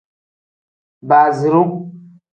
Basiru.